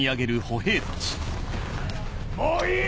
もういい！